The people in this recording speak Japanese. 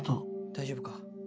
大丈夫か？